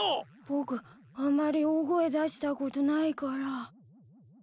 僕あんまり大声出したことないから。